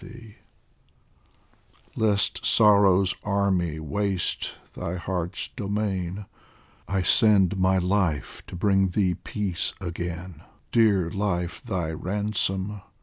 69 POEMS FROM THE Lest Sorrow's army waste thy heart's domain, I send my life to bring thee peace again, Dear life thy ransom